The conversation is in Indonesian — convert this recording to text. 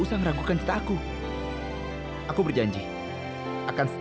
setelah itu aku baru ingat